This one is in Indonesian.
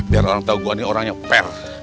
biar orang tau gua ini orangnya per